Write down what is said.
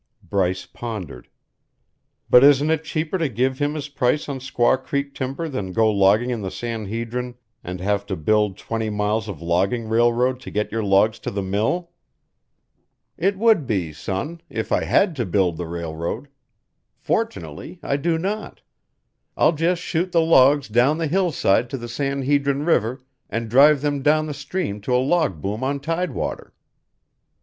Bryce pondered. "But isn't it cheaper to give him his price on Squaw Creek timber than go logging in the San Hedrin and have to build twenty miles of logging railroad to get your logs to the mill?" "It would be, son, if I HAD to build the railroad. Fortunately, I do not. I'll just shoot the logs down the hillside to the San Hedrin River and drive them down the stream to a log boom on tidewater."